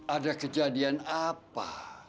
ada kejadian apa